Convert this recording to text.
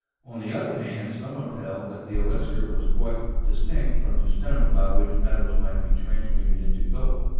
On the other hand, some have held that the elixir was quite distinct from the stone by which metals might be transmuted into gold.